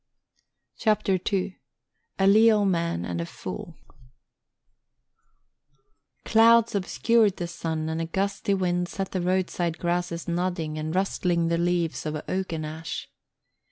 CHAPTER II A LEAL MAN AND A FOOL Clouds obscured the sun and a gusty wind set the road side grasses nodding and rustled the leaves of oak and ash.